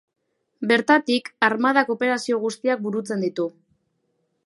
Bertatik, armadak operazio guztiak burutzen ditu.